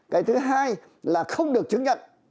cái thứ hai là không được chứng nhận